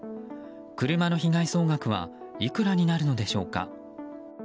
車の被害総額はいくらになるのでしょうか。